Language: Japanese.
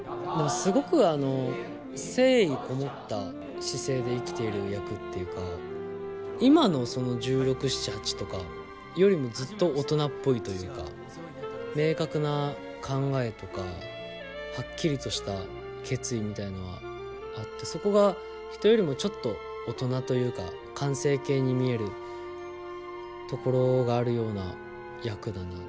すごく誠意こもった姿勢で生きている役っていうか今の１６１７１８とかよりもずっと大人っぽいというか明確な考えとかはっきりとした決意みたいのはあってそこが人よりもちょっと大人というか完成形に見えるところがあるような役だな。